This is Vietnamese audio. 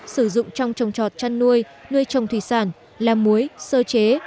sử dụng trong trồng trọt chăn nuôi nuôi trồng thủy sản làm muối sơ chế